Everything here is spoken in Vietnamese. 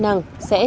cơ quan chức trị